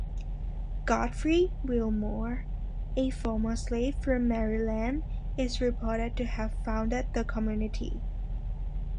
Godfrey Wilmore, a former slave from Maryland, is reported to have founded the community.